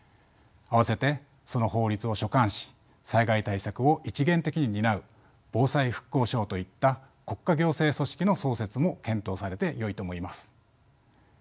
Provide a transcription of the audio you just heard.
併せてその法律を所管し災害対策を一元的に担う防災復興省といった国家行政組織の創設も検討されてよいと思います。